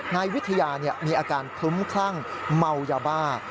นายวิทยามีอาการคลุ้มคลั่งเมายาบ้า